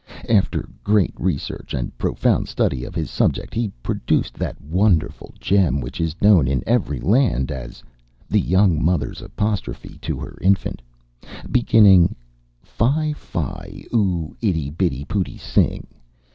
After great research and profound study of his subject, he produced that wonderful gem which is known in every land as "The Young Mother's Apostrophe to Her Infant," beginning: "Fie! fie! oo itty bitty pooty sing!